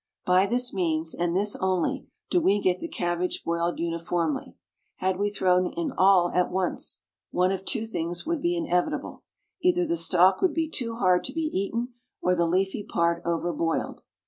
By this means, and this only, do we get the cabbage boiled uniformly. Had we thrown in all at once one of two things would be inevitable either the stalk would be too hard to be eaten or the leafy part over boiled.